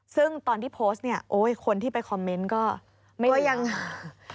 ซึ่งตอนที่โพสต์เนี่ยโอ้ยคนที่ไปคอมเมนต์ก็ยัง